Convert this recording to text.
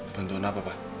bantuan apa pa